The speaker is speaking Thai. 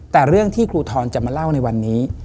แต่เรื่องที่ครูทรจะมาเล่าในวันนี้